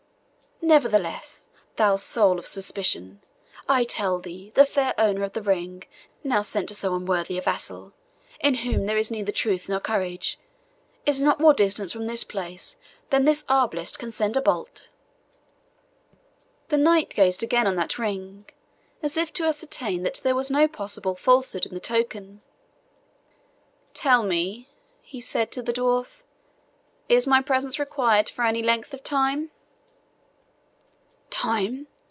Nevertheless, thou soul of suspicion, I tell thee, the fair owner of the ring now sent to so unworthy a vassal, in whom there is neither truth nor courage, is not more distant from this place than this arblast can send a bolt." The knight gazed again on that ring, as if to ascertain that there was no possible falsehood in the token. "Tell me," he said to the dwarf, "is my presence required for any length of time?" "Time!"